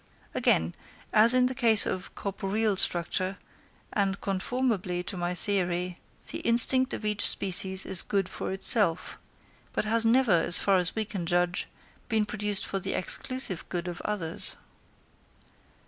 Again, as in the case of corporeal structure, and conformably to my theory, the instinct of each species is good for itself, but has never, as far as we can judge, been produced for the exclusive good of others.